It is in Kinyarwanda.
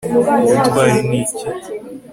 ubutwari ni iki